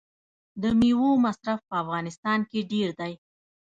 د میوو مصرف په افغانستان کې ډیر دی.